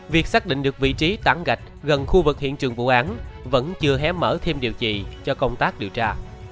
việc xác định được vị trí tảng gạch gần khu vực hiện trường vụ án vẫn chưa hé mở thêm điều trị cho công tác điều tra